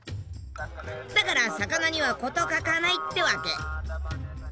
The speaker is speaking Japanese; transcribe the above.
だから魚には事欠かないってわけ。